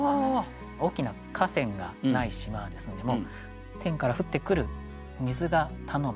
大きな河川がない島ですのでもう天から降ってくる水が頼み。